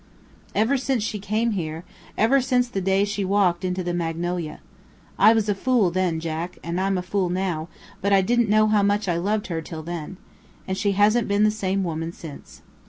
"Ever since she came here; ever since the day she walked into the Magnolia. I was a fool then; Jack, I'm a fool now; but I didn't know how much I loved her till then. And she hasn't been the same woman since.